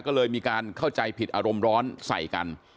ก็เลยมีการเข้าใจผิดอารมณ์ร้อนใส่กัน